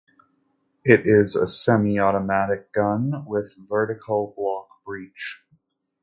It is a semi-automatic gun with vertical block breech.